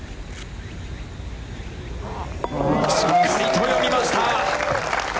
しっかりと読みました。